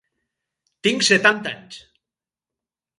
Tinc setanta anys.